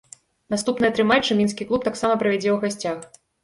Наступныя тры матчы мінскі клуб таксама правядзе ў гасцях.